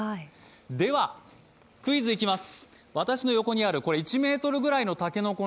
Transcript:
では、クイズいきます。